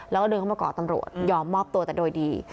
แล้วก็เดินเข้ามาก่อตำรวจยอมมอบตัวแต่โดยดี